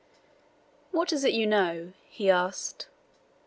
"What is it you know?" he asked.